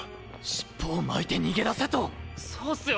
しっぽを巻いて逃げ出せと⁉そうっスよ